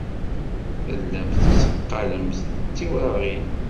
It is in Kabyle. Tellamt tetteqqalemt d tiwraɣin.